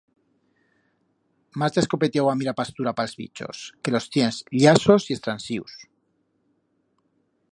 Marcha escopetiau a mirar pastura pa els bichos que los tiens llasos y estransius!